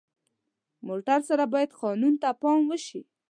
موټر سره باید قانون ته پام وشي.